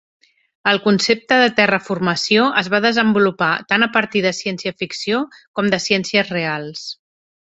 El concepte de "terraformació" es va desenvolupar tant a partir de ciència ficció com de ciències reals.